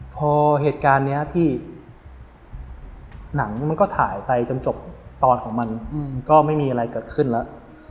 พอเหตุการณ์นี้พี่หนังมันก็ถ่ายไปจนจบตอนของมันก็ไม่มีอะไรเกิดขึ้นแล้ว